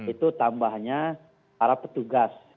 itu tambahnya para petugas